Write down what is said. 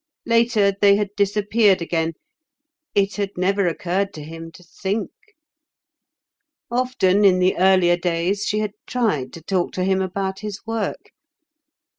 Later, they had disappeared again; it had never occurred to him to think. Often in the earlier days she had tried to talk to him about his work.